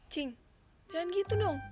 cing jangan gitu dong